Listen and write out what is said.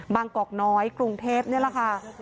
กอกน้อยกรุงเทพนี่แหละค่ะ